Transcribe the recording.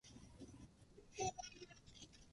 海がキラキラと光っている。